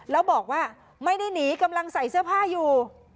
แล้วบอกว่าไม่ได้หนีกำลังใส่เสื้อผ้าอยู่